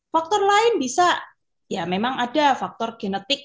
faktor lain bisa ya memang ada faktor genetik